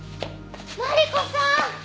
マリコさん！